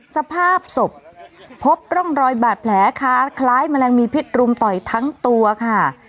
สภาพศพพบร่องรอยบาดแผลค้าคล้ายแมลงมีพิษรุมต่อยทั้งตัวค่ะ